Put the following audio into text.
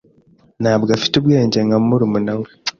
Ntabwo afite ubwenge nka murumuna we.